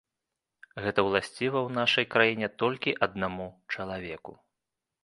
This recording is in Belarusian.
Гэта ўласціва ў нашай краіне толькі аднаму чалавеку.